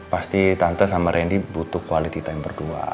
pasti tante sama randy butuh quality time berdua